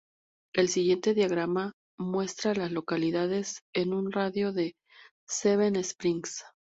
El siguiente diagrama muestra a las localidades en un radio de de Seven Springs.